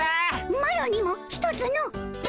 マロにもひとつの！